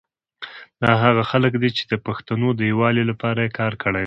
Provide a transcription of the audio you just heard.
دا هغه خلګ دي چي د پښتونو د یوالي لپاره یي کار کړي دی